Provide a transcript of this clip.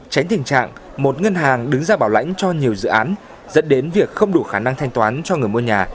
tránh tình trạng một ngân hàng đứng ra bảo lãnh cho nhiều dự án dẫn đến việc không đủ khả năng thanh toán cho người mua nhà